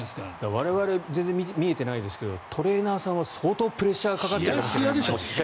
我々全然見えていないですがトレーナーさんは相当プレッシャーがかかっているでしょうね。